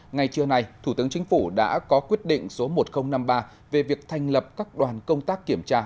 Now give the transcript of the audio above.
ngay trưa nay thủ tướng chính phủ đã có quyết định số một nghìn năm mươi ba về việc thành lập các đoàn công tác kiểm tra